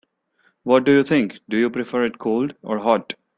What do you think, do they prefer it cold or hot?